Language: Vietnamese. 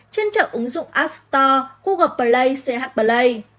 trên trạng ứng dụng app store google play ch play